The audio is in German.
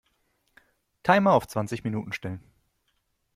Timer auf zwanzig Minuten stellen.